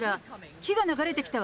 木が流れてきた。